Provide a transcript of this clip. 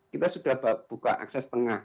kita sudah buka akses tengah